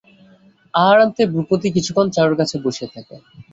আহারান্তে ভূপতি কিছুক্ষণ চারুর কাছে বসিয়া থাকে।